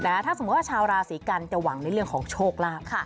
ถ้าสมมุติว่าชาวราศีกันจะหวังในเรื่องของโชคลาภ